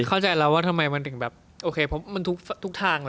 เข้าใจแล้วว่าทำไมมันถึงแบบโอเคเพราะมันทุกทาง